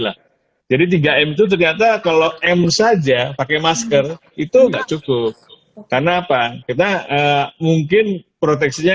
lah jadi tiga m itu ternyata kalau m saja pakai masker itu enggak cukup karena apa kita mungkin proteksinya